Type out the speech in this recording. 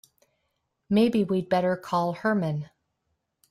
Maybe we'd better call Herman.